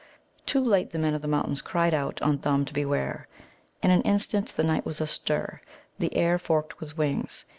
Too late the Men of the Mountains cried out on Thumb to beware. In an instant the night was astir, the air forked with wings.